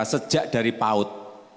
sejak dari paud